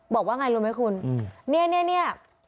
บอกว่าง่ายรู้มั้ยคุณเนี่ยนี่